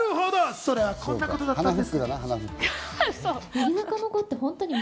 それはこんなことだったんです。